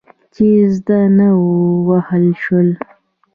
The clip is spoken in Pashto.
چې زده نه وو، ووهل شول.